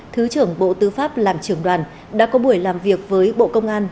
thứ trưởng bộ tư pháp làm trưởng đoàn đã có buổi làm việc với bộ công an